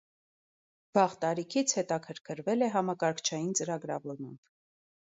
Վաղ տարիքից հետաքրքրվել է համակարգչային ծրագրավորմամբ։